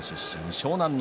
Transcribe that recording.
湘南乃